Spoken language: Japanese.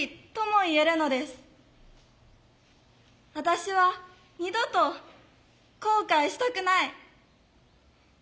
私は二度と後悔したくない。